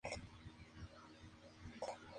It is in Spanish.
Se trasladó a trabajar bajo la dirección de Ub Iwerks.